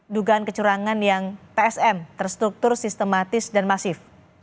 dugaan kecurangan yang tsm terstruktur sistematis dan masif